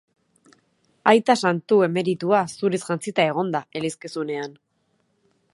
Aita santu emeritua zuriz jantzita egon da elizkizunean.